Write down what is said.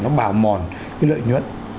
nó bào mòn cái lợi nhuận